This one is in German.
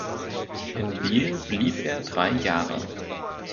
In Biel blieb er drei Jahre.